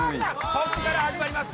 こっから始まります。